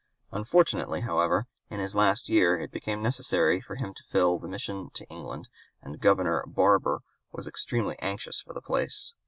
Unfortunately, however, in his last year it became necessary for him to fill the mission to England, and Governor Barbour was extremely anxious for the place.